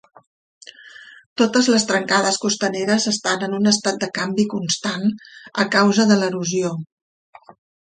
Totes les trencades costaneres estan en un estat de canvi constant a causa de l'erosió.